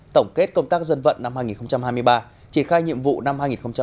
tổng kết công tác dân vận năm hai nghìn hai mươi ba triển khai nhiệm vụ năm hai nghìn hai mươi